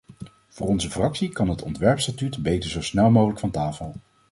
Voor onze fractie kan het ontwerpstatuut beter zo snel mogelijk van tafel.